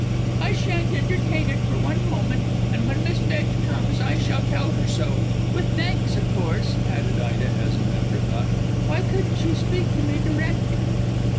"I shan't entertain it for one moment, and when Mrs. Bedge comes I shall tell her so with thanks, of course," added Ida as an afterthought. "Why couldn't she speak to me direct?"